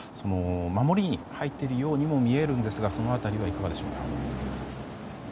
守りに入っているようにも見えるんですがその辺りはいかがでしょうか。